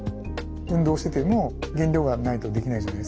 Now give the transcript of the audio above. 運動してても原料がないとできないじゃないですか。